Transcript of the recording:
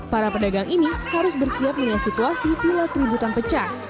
para pedagang ini harus bersiap dengan situasi bila keributan pecah